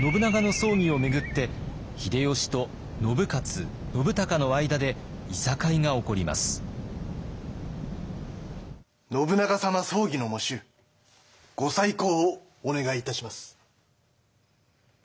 葬儀の喪主ご再考をお願いいたします。